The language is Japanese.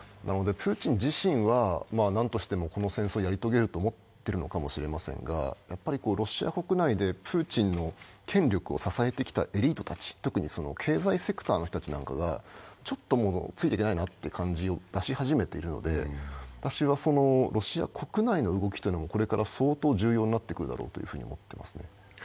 プーチン自身は何としてもこの戦争をやり遂げると思ってるのかもしれませんがロシア国内でプーチンの権力を支えてきたエリートたち、特に経済セクターの人たちがちょっとついていけないなという感じを出し始めているので私はロシア国内の動きというのもこれから相当重要になってくるだろうと思っています。